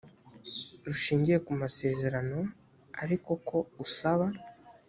rushingiye ku masezerano ariko ko usaba